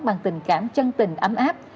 bằng tình cảm chân tình ấm áp